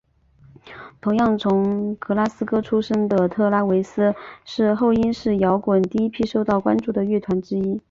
同样从格拉斯哥出身的特拉维斯是后英式摇滚第一批受到关注的乐团之一。